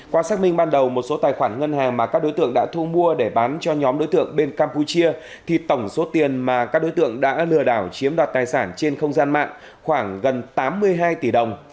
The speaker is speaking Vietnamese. qua xác minh ban đầu một số tài khoản ngân hàng mà các đối tượng đã thu mua để bán cho nhóm đối tượng bên campuchia thì tổng số tiền mà các đối tượng đã lừa đảo chiếm đoạt tài sản trên không gian mạng khoảng gần tám mươi hai tỷ đồng